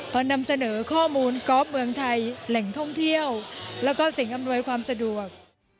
พอนำเสนอข้อมูลกอล์ฟเมืองไทยแหล่งท่องเที่ยวแล้วก็สิ่งอำนวยความสะดวก